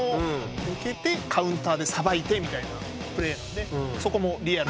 受けてカウンターでさばいてみたいなプレーなのでそこもリアル。